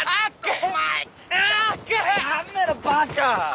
やめろバカ！